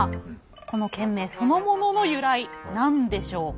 この県名そのものの由来何でしょうか？